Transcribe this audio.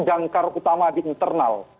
jangkar utama di internal